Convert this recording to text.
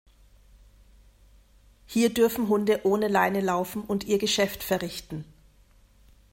Hier dürfen Hunde ohne Leine laufen und ihr Geschäft verrichten.